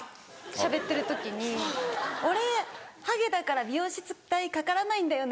しゃべってる時に「俺ハゲだから美容室代かからないんだよね」